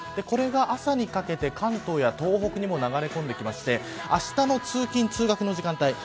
これが朝にかけて関東や東北にも流れ込んできてあしたの通勤、通学の時間帯